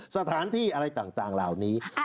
สถานที่อะไรต่างเหล่านี้